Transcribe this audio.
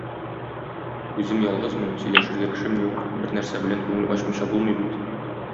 Үзем ялгызмын, сөйләшергә кешем юк, бер нәрсә белән күңел ачмыйча булмый бит.